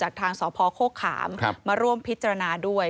ทางสพโฆขามมาร่วมพิจารณาด้วย